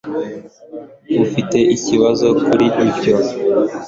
ufite ikibazo kuri ibyo